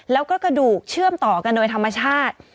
แล้วก็กระดูกเชื่อมต่อกันโดยธรรมชาติ